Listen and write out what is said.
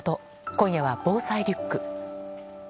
今夜は、防災リュック。